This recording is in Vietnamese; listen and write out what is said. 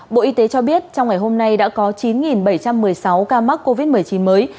bộ y tế cho biết trong ngày hôm nay đã có chín bảy trăm một mươi sáu ca mắc covid một mươi chín mới